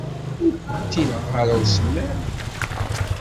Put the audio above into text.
Ur kent-ineɣɣ ara usemmiḍ.